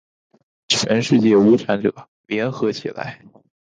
全世界无产者，联合起来！